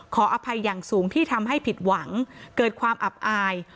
ขออภัยอย่างสูงที่ทำให้ผิดหวังเกิดความอับอาย